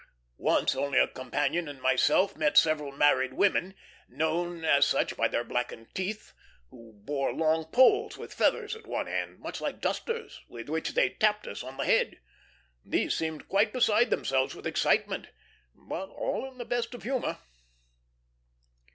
Once only a companion and myself met several married women, known as such by their blackened teeth, who bore long poles with feathers at one end, much like dusters, with which they tapped us on the head. These seemed quite beside themselves with excitement, but all in the best of humor.